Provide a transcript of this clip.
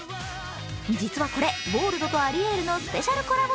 実はこれ、ボールドとアリエールのスペシャルコラボ